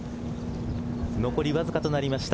残りわずかとなりました